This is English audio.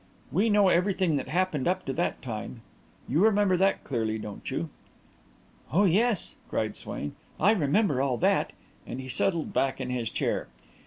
We know everything that happened up to that time. You remember that clearly, don't you?" "Oh, yes," said Swain. "I remember all that," and he settled back in his chair.